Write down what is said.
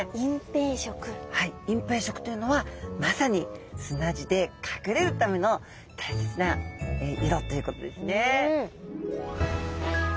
隠蔽色というのはまさに砂地で隠れるための大切な色ということですね。